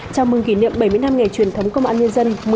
chào mừng kỷ niệm bảy mươi năm ngày truyền thống công an nhân dân